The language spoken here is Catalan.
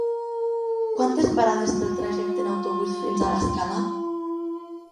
Quantes parades té el trajecte en autobús fins a l'Escala?